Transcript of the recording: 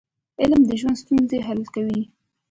علم د ژوند ستونزې حل کوي.